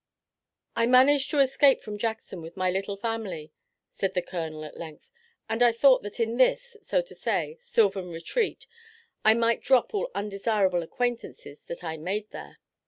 "I managed to escape from Jackson with my little family," said the colonel at length, "and I thought that in this, so to say, sylvan retreat I might drop all undesirable acquaintances that I made there."